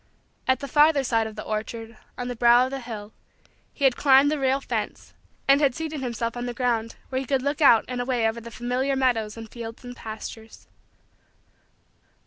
At the farther side of the orchard, on the brow of the hill, he had climbed the rail fence and had seated himself on the ground where he could look out and away over the familiar meadows and fields and pastures.